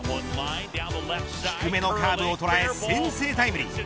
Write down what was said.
低めのカーブを捉え先制タイムリー。